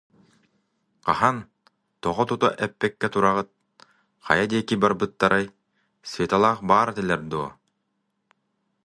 Хаһан, тоҕо тута эппэккэ тураҕыт, хайа диэки барбыттарай, Светалаах баар этилэр дуо